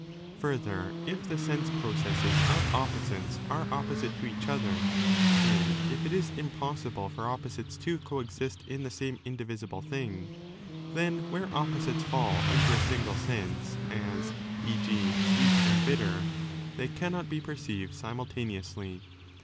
Further, if the sense 448* processes of opposites are opposite to each other, and if it n is impossible for opposites to coexist in the same in divisible thing, then where opposites fall under a single ise, as e.g. sweet and bitter, they cannot be perceived jlimultaneously.